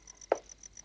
jangan lupa untuk mencoba